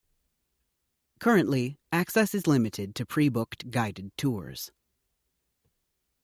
Currently access is limited to pre-booked guided tours.